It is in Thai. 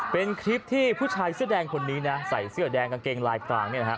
เป็นคลิปที่ผู้ชายเสื้อแดงคนนี้นะใส่เสื้อแดงกางเกงลายกลางเนี่ยนะครับ